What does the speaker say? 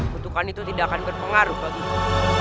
ketukannya tidak akan berpengaruh bagiku